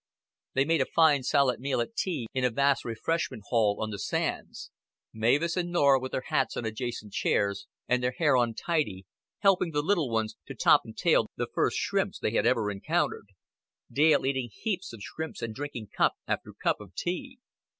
They made a fine solid meal at tea in a vast refreshment hall on the sands; Mavis and Norah, with their hats on adjacent chairs and their hair untidy, helping the little ones to top and tail the first shrimps that they had ever encountered; Dale eating heaps of shrimps and drinking cup after cup of tea.